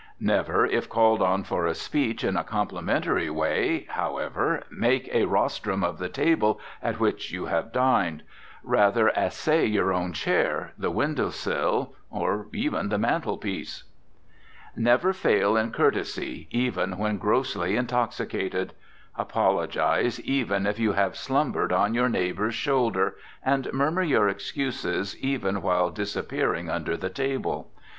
Never, if called on for a speech in a complimentary way, however, make a rostrum of the table at which you have dined. Rather essay your own chair, the window sill, or even the mantel piece. Never fail in courtesy, even when grossly intoxicated. Apologize, even if you have slumbered on your neighbor's shoulder, and murmur your excuses even while disappearing under the table.